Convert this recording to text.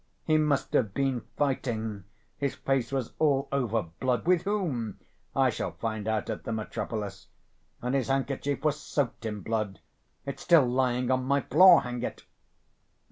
He must have been fighting, his face was all over blood. With whom? I shall find out at the 'Metropolis.' And his handkerchief was soaked in blood.... It's still lying on my floor.... Hang it!"